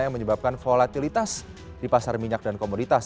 yang menyebabkan volatilitas di pasar minyak dan komoditas